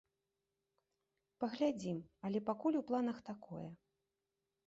Паглядзім, але пакуль у планах такое.